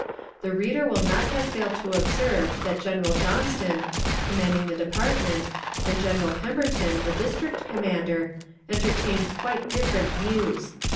The reader will not have failed to observe that General Johnston, commanding the department, and General Pemberton, the district commander, entertained quite different views.